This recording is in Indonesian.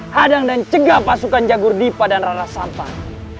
hadang dan cegah pasukan jagur dipa dan rara sampan